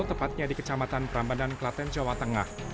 tepatnya di kecamatan prambanan klaten jawa tengah